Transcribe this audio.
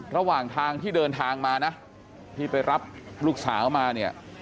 ระหว่างทางที่เดินทางมานะที่ไปรับลูกสาวมาเนี่ย